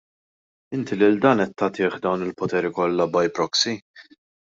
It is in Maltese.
Inti lil dan qed tagħtih dawn il-poteri kollha by proxy.